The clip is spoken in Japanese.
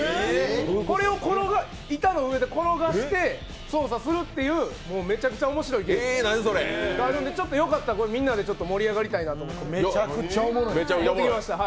これを板の上で転がして操作するというめちゃくちゃ面白いゲームがあるので、よかったらみんなで盛り上がりたいなと思って持ってきました。